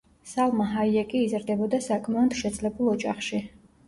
სალმა ჰაიეკი იზრდებოდა საკმაოდ შეძლებულ ოჯახში.